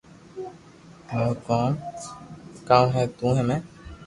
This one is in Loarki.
مارو ڪوم ڪاو ھي تو ۾